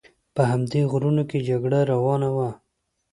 په همدې غرو کې جګړه روانه وه.